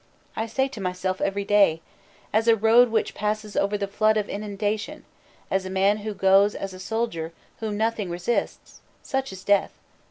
I say to myself every day: As a road which passes over the flood of inundation, as a man who goes as a soldier whom nothing resists, such is death....